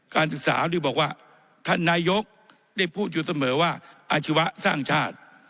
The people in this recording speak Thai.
การศึกษานี่บอกว่าท่านนายกได้พูดอยู่เสมอว่าอาชีวะสร้างชาติ